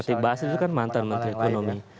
ketika basri itu kan mantan menteri ekonomi